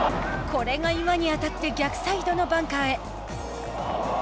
これが岩に当たって逆サイドのバンカーへ。